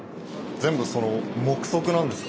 全部その目測なんですか？